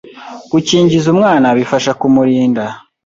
Gukingiza umwana bifasha kumurinda